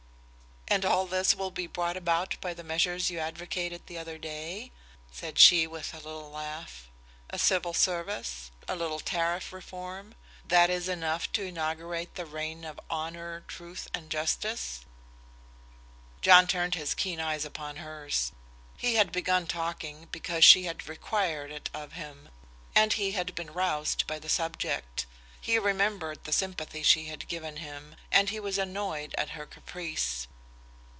"And all this will be brought about by the measures you advocated the other day," said she with a little laugh. "A civil service, a little tariff reform that is enough to inaugurate the reign of honor, truth, and justice?" John turned his keen eyes upon hers. He had begun talking because she had required it of him, and he had been roused by the subject. He remembered the sympathy she had given him, and he was annoyed at her caprice.